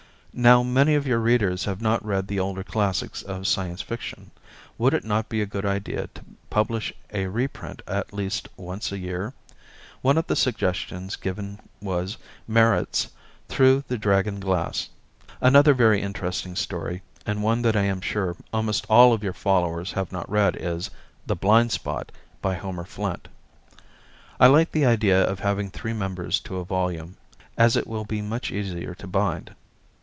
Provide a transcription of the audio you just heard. Now many of your readers have not read the older classics of Science Fiction. Would it not be a good idea to publish a reprint at least once a year? One of the suggestions given was Merritt's "Through the Dragon Glass." Another very interesting story, and one that I am sure almost all of your followers have not read, is "The Blind Spot," by Homer Flint. I like the idea of having three members to a volume, as it will be much easier to bind.